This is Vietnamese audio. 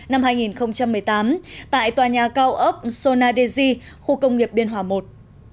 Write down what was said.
năm hai nghìn một mươi tám tại tòa nhà cao ốc sonadesi khu công nghiệp biên hòa i